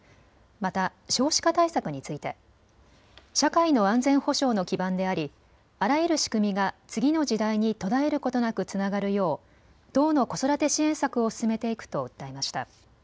また少子化対策について社会の安全保障の基盤でありあらゆる仕組みが次の時代に途絶えることなくつながるよう党の子育て支援策を進めていくと訴えました。